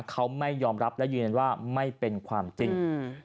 เขาไม่ยอมรับและยืนยันว่าไม่เป็นความจริง